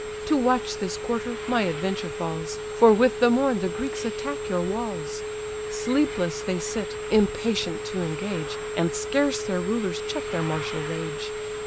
To watch this quarter, my adventure falls: For with the morn the Greeks attack your walls; Sleepless they sit, impatient to engage, And scarce their rulers check their martial rage."